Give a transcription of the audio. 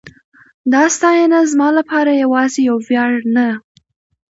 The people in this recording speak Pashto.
دا ستاینه زما لپاره یواځې یو ویاړ نه